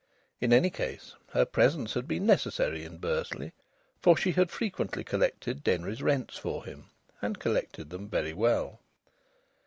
In any case, her presence had been necessary in Bursley, for she had frequently collected Denry's rents for him, and collected them very well.